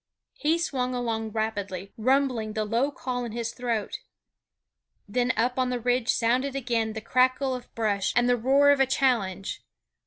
He swung along rapidly, rumbling the low call in his throat. Then up on the ridge sounded again the crackle of brush and the roar of a challenge.